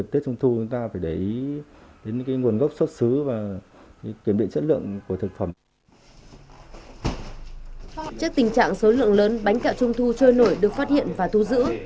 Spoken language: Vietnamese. trước tình trạng số lượng lớn bánh kẹo trung thu trôi nổi được phát hiện và thu giữ